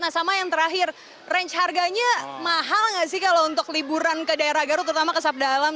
nah sama yang terakhir range harganya mahal nggak sih kalau untuk liburan ke daerah garut terutama ke sabda alam